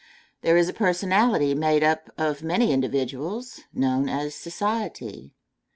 There is a personality made up of many individuals known as society.